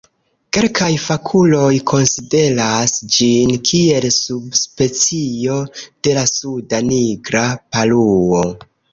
Kelkaj fakuloj konsideras ĝin kiel subspecio de la Suda nigra paruo.